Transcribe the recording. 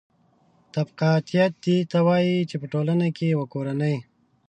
طبقاتیت دې ته وايي چې په ټولنه کې یوه کورنۍ